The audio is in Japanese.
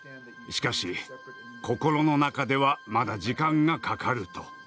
しかし心の中ではまだ時間がかかる」と。